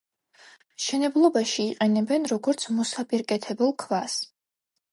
მშენებლობაში იყენებენ როგორც მოსაპირკეთებელ ქვას.